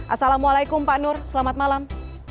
assalamualaikum pak nur selamat malam